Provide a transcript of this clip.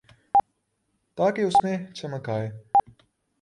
تاکہ اس میں چمک آئے۔